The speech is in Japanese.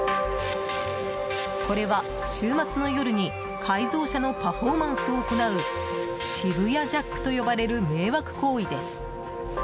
これは、週末の夜に改造車のパフォーマンスを行う渋谷ジャックと呼ばれる迷惑行為です。